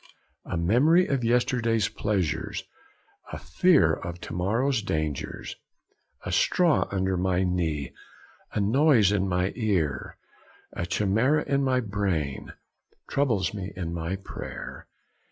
A memory of yesterday's pleasures, a fear of to morrow's dangers, a straw under my knee, a noise in mine ear, a chimera in my brain, troubles me in my prayer.'